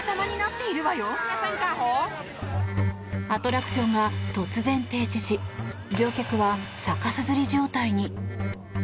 アトラクションが突然、停止し乗客は逆さづり状態に。